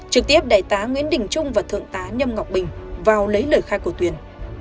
trực tiếp đại tá nguyễn đình trung và thượng tá nhâm ngọc bình vào lấy lời khai của tuyền